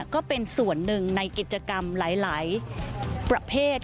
ก็เป็นส่วนหนึ่งในกิจกรรมหลายประเภท